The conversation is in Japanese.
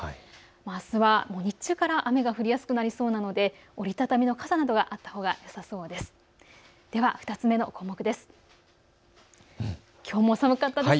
あすは日中から雨が降りやすくなりそうなので折り畳みの傘などがあったほうがよさそうです。